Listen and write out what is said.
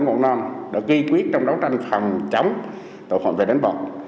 nhưng đối tượng đã tụ tập để đánh bạc